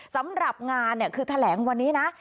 สำหรับงานคือแถลงวันนี้นะ